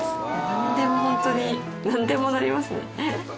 なんでもホントになんでもなりますね。